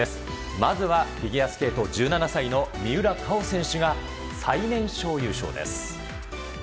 まずは、フィギュアスケート１７歳の三浦佳生選手が最年少優勝です。